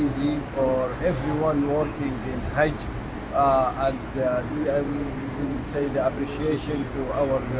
dan kami mengucapkan penghargaan kepada pemerintah kita untuk mengorganisasi dan semua sektor pemerintah yang membantu